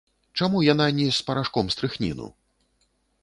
Чаму яна не з парашком стрыхніну?